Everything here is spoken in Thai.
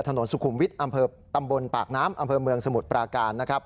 ถนนสุขุมวิทย์อำเภอตำบลปากน้ำอำเภอเมืองสมุทรปราการนะครับ